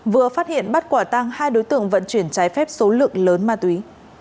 vừa phát hiện bắt quả tăng hai đối tượng vận chuyển trái phép số lượng lớn ma túy